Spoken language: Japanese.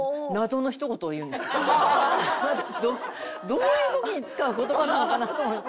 どういう時に使う言葉なのかな？と思って。